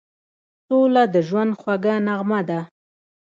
سوله د ژوند خوږه نغمه ده.